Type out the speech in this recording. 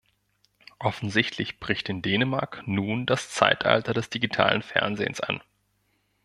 Offensichtlich bricht in Dänemark nun das Zeitalter des digitalen Fernsehens an.